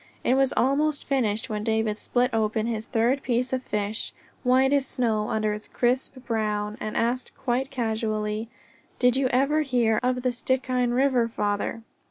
It was almost finished when David split open his third piece of fish, white as snow under its crisp brown, and asked quite casually: "Did you ever hear of the Stikine River, Father?"